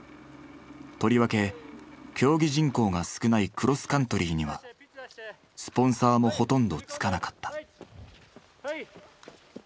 とりわけ競技人口が少ないクロスカントリーにはスポンサーもほとんどつかなかった。